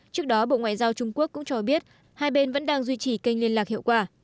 trước đó bộ ngoại giao trung quốc cũng cho biết hai bên vẫn đang duy trì kênh liên lạc hiệu quả